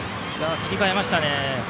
切り替えましたね。